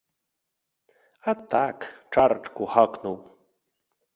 А так, чарачку гакнуў!